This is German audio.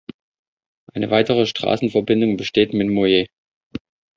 Eine weitere Straßenverbindung besteht mit Moye.